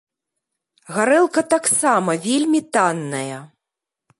Гарэлка таксама вельмі танная.